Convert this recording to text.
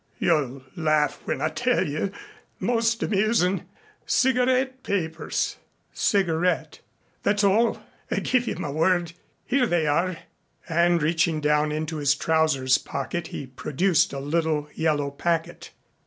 "You'll laugh when I tell you. Most amusin' cigarette papers!" "Cigarette " "That's all. I give you my word. Here they are." And reaching down into his trousers pocket he produced a little yellow packet.